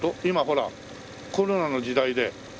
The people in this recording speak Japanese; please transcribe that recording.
今ほらコロナの時代で。